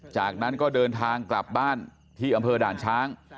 จากนั้นก็เดินทางกลับบ้านที่อำเภอด่านช้าง